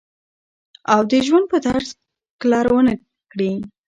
او د ژوند پۀ طرز کلر ونۀ کړي